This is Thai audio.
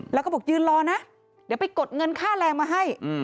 แล้วก็บอกยืนรอนะเดี๋ยวไปกดเงินค่าแรงมาให้